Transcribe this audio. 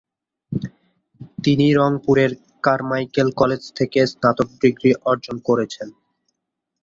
তিনি রংপুরের Carmichael college থেকে স্নাতক ডিগ্রি অর্জন করেছেন।